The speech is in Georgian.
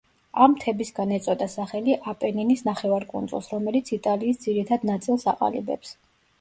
ამ მთებისგან ეწოდა სახელი აპენინის ნახევარკუნძულს, რომელიც იტალიის ძირითად ნაწილს აყალიბებს.